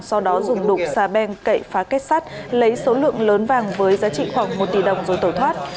sau đó dùng đục xà beng cậy phá kết sắt lấy số lượng lớn vàng với giá trị khoảng một tỷ đồng rồi tẩu thoát